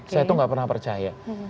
saya tuh gak pernah percaya